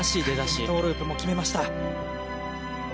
４回転トウループも決めました。